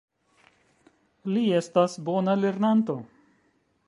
Li estas bona lernanto.